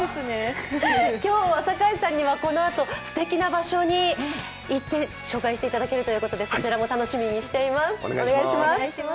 今日酒井さんにはこのあとすてきな場所に行って紹介していただけるということでそちらも楽しみにしています。